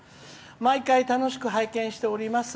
「毎回楽しく拝見しております。